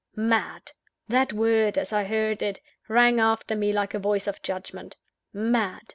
"MAD!" that word, as I heard it, rang after me like a voice of judgment. "MAD!"